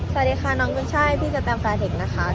สวัสดีค่ะน้องกุญช่ายพี่สแตมแฟนเด็กนะคะ